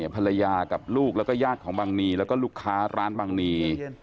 ภรรยากับลูกแล้วก็ญาติของบังนีแล้วก็ลูกค้าร้านบางนี